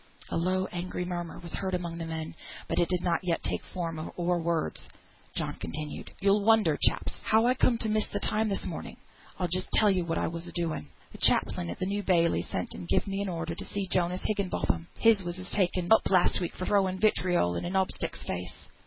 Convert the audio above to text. A low angry murmur was heard among the men, but it did not yet take form or words. John continued "You'll wonder, chaps, how I came to miss the time this morning; I'll just tell you what I was a doing. Th' chaplain at the New Bailey sent and gived me an order to see Jonas Higginbotham; him as was taken up last week for throwing vitriol in a knob stick's face.